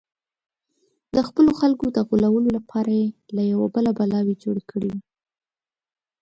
د خپلو خلکو د غولولو لپاره یې له یوه بله بلاوې جوړې کړې وې.